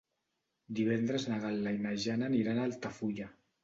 Divendres na Gal·la i na Jana aniran a Altafulla.